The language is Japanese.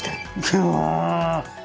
うわ。